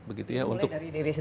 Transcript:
mulai dari diri sendiri